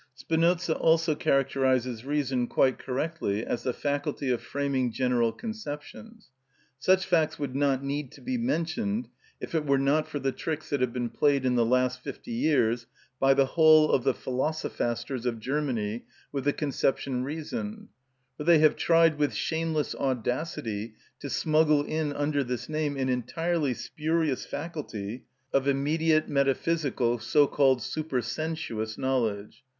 Spinoza also characterises reason quite correctly as the faculty of framing general conceptions (Eth., ii. prop. 40, schol. 2). Such facts would not need to be mentioned if it were not for the tricks that have been played in the last fifty years by the whole of the philosophasters of Germany with the conception reason. For they have tried, with shameless audacity, to smuggle in under this name an entirely spurious faculty of immediate, metaphysical, so called super sensuous knowledge.